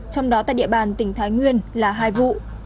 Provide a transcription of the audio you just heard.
trong đó tại địa bàn tỉnh thái nguyên là hai vụ